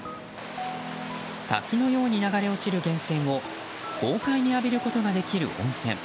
滝のように流れ落ちる源泉を豪快に浴びることができる温泉。